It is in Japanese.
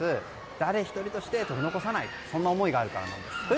誰一人として取り残さないという思いがあるからなんです。